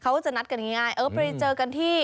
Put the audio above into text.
เขาก็จะนัดกันง่ายเออไปเจอกันที่